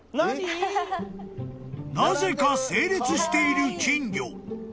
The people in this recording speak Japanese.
［なぜか整列している金魚］